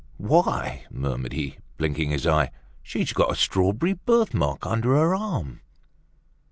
"Why," murmured he, blinking his eye, "she's got a strawberry birthmark under her arm."